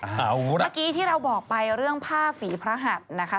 เมื่อกี้ที่เราบอกไปเรื่องผ้าฝีพระหัสนะคะ